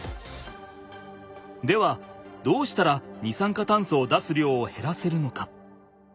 ではどうしたら二酸化炭素を出す量を減らせるのか？